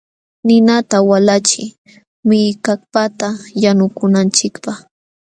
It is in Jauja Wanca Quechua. Ninata walachiy millkapata yanukunanchikpaq.